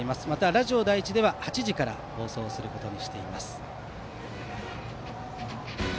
ラジオ第１では８時から放送することにしています。